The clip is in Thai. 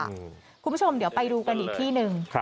คุณผู้ชมเดี๋ยวไปดูกันอีกที่หนึ่ง